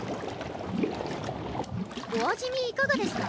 お味見いかがですか？